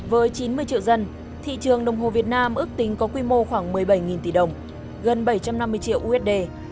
với chín mươi triệu dân thị trường đồng hồ việt nam ước tính có quy mô khoảng một mươi bảy tỷ đồng gần bảy trăm năm mươi triệu usd